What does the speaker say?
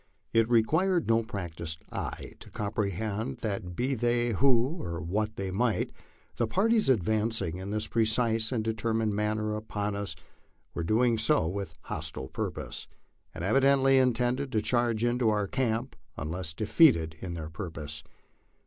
It required no practised eye to comprehend that be they who or what they might, the parties advancing in this precise and determined manner upon us were doing so with hostile purpose, and evidently intended to charge into our camp unless defeated in their purpose.